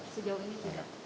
sejauh ini tidak